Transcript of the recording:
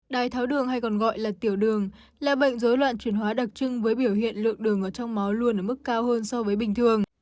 đái tháo đường hay còn gọi là tiểu đường là bệnh dối loạn chuyển hóa đặc trưng với biểu hiện lượng đường ở trong máu luôn ở mức cao hơn so với bình thường